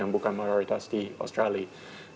yang bukan mayoritas di australia